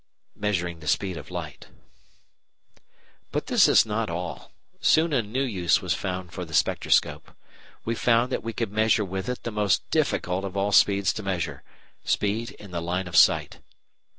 Measuring the Speed of Light But this is not all; soon a new use was found for the spectroscope. We found that we could measure with it the most difficult of all speeds to measure, speed in the line of sight.